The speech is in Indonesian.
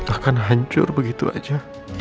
akan hancur begitu aja